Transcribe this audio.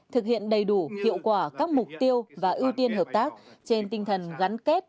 thực hiện đầy đủ hiệu quả các mục tiêu và ưu tiên hợp tác trên tinh thần gắn kết